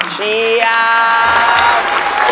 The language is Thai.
เชียบ